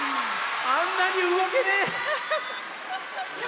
あんなに動けねえ！